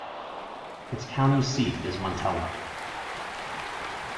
Its county seat is Montello.